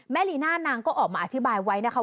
ลีน่านางก็ออกมาอธิบายไว้นะคะ